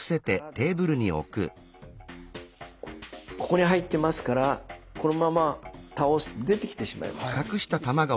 ここに入っていますからこのまま倒すと出てきてしまいます。